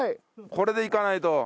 これでいかないと。